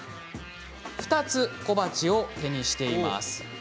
２つ小鉢を手にしています。